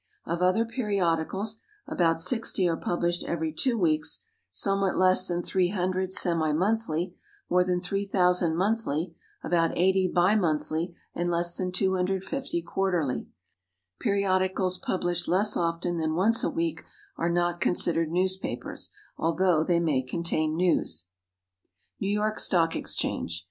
Of other periodicals, about 60 are published every two weeks, somewhat less than 300 semi monthly, more than 3,000 monthly, about 80 bi monthly, and less than 250 quarterly. Periodicals published less often than once a week are not considered newspapers, although they may contain news. =New York Stock Exchange.